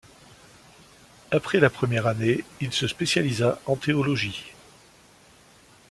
Après la première année, il se spécialisa en théologie.